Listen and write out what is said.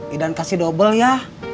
idan kasih dobel ya